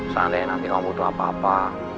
seandainya nanti kamu butuh apa apa